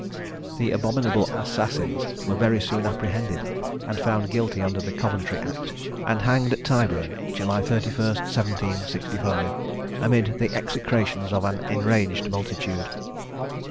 The abominable assassins were very soon apprehended, and found guilty under the Coventry Act, and hanged at Tyburn, July 31, 1765, amid the execrations of an enraged multitude.